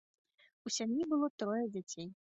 У сям'і было трое дзяцей.